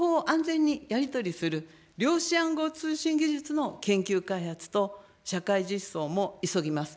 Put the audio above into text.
また情報を安全にやり取りする量子暗号通信技術の研究開発と社会実装も急ぎます。